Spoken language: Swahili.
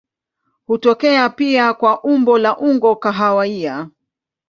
Hutokea pia kwa umbo la unga kahawia.